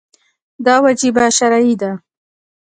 دا وجیبه شرعي ده.